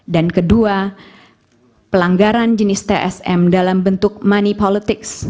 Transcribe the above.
dan kedua pelanggaran jenis tsm dalam bentuk money politics